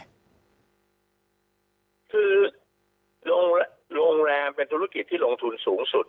คือโรงแรมเป็นธุรกิจที่ลงทุนสูงสุด